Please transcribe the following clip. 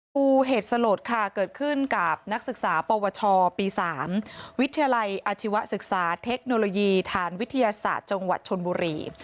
ดูเหตุสลดค่ะเกิดขึ้นกับนักศึกษาปวชปี๓วิทยาลัยอาชีวศึกษาเทคโนโลยีฐานวิทยาศาสตร์จังหวัดชนบุรี